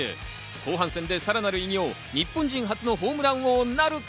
後半戦でさらなる偉業、日本人初のホームラン王なるか？